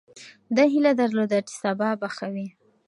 ده هیله درلوده چې سبا به ښه وي.